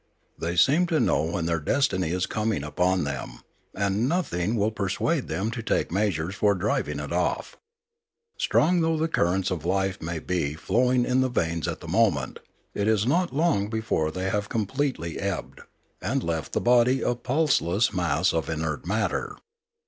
They seem to know when their destiny is coming upon them, and nothing will persuade them to take measures for driving it off. Strong though the currents of life may be flowing in the veins at the moment, it is not long before they have completely ebbed, and left the body a pulseless mass of inert matter.